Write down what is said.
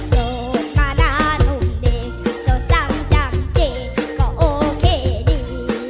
โสกมานานุ่มเด็กโสสังจังเจก็โอเคดี